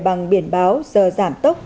bằng biển báo giờ giảm tốc